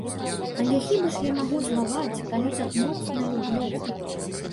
Але хіба ж я магу злаваць, калі так моцна люблю.